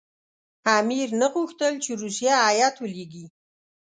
امیر نه غوښتل چې روسیه هېئت ولېږي.